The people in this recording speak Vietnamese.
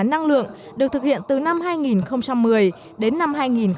năng lượng được thực hiện từ năm hai nghìn một mươi đến năm hai nghìn một mươi bảy